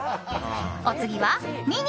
お次はミニ！